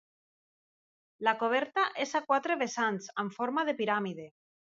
La coberta és a quatre vessants amb forma de piràmide.